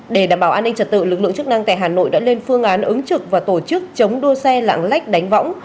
để đảm bảo an ninh trật tự lực lượng chức năng tại hà nội đã lên phương án ứng trực và tổ chức chống đua xe lạng lách đánh võng